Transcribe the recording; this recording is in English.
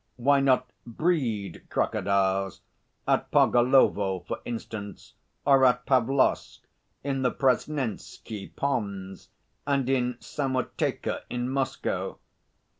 Why not breed crocodiles at Pargolovo, for instance, or at Pavlovsk, in the Presnensky Ponds and in Samoteka in Moscow?